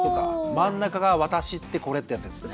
真ん中が「私ってこれ」ってやつですね。